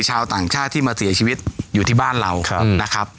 ชาวต่างชาติที่มาเสียชีวิตอยู่ที่บ้านเรานะครับ